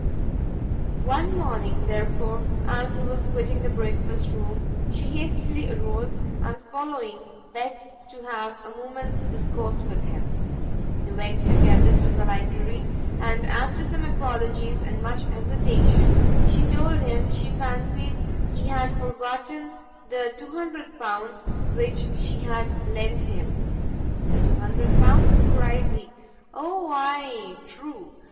One morning, therefore, as he was quitting the breakfast room, she hastily arose, and following, begged to have a moment's discourse with him. They went together to the library, and after some apologies, and much hesitation, she told him she fancied he had forgotten the L200 which she had lent him. "The L200," cried he; "O, ay, true!